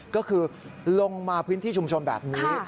ก็คือลงมาพื้นที่ชุมชนแบบนี้